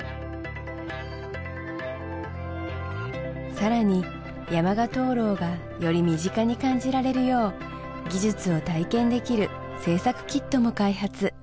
さらに山鹿灯籠がより身近に感じられるよう技術を体験できる制作キットも開発